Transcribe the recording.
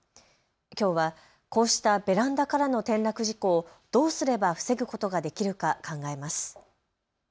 きょうはこうしたベランダからの転落事故をどうすれば防ぐことができるか考えます。